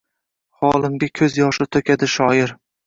Holimga ko’z yoshi to’kadi shoir